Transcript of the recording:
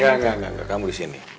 enggak enggak kamu di sini